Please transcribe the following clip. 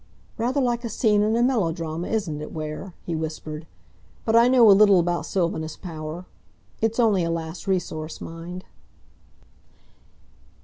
"Rather like a scene in a melodrama, isn't it, Ware," he whispered, "but I know a little about Sylvanus Power. It's only a last resource, mind."